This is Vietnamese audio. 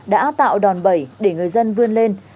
đã tạo đòn bẩy để người dân vươn lên